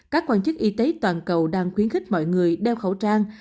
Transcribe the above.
các quan chức y tế toàn cầu đang khuyến khích mọi người đeo khẩu trang